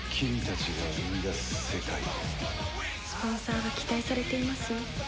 スポンサーが期待されていますよ。